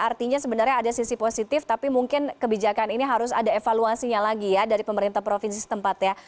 artinya sebenarnya ada sisi positif tapi mungkin kebijakan ini harus ada evaluasinya lagi ya dari pemerintah provinsi setempat ya